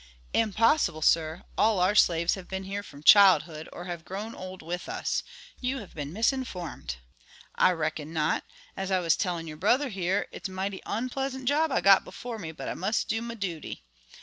"Impossible, sir; all our slaves have been here from childhood, or have grown old with us. You have been misinformed." "I reckon not. As I was tellin' your brother here, it's a mighty onpleasant job I've got before me, but I must do my dooty."